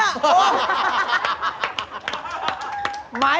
โอ้โฮ